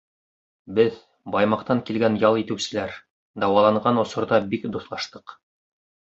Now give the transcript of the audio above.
Беҙ, Баймаҡтан килгән ял итеүселәр, дауаланған осорҙа бик дуҫлаштыҡ.